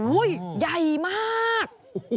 อุ้ยใหญ่มาก